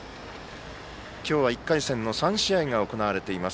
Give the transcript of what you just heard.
今日は１回戦の３試合が行われています。